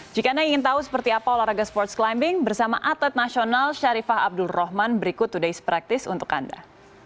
jika anda ingin tahu seperti apa olahraga sports climbing bersama atlet nasional sharifah abdul rohman berikut ⁇ days ⁇ practice untuk anda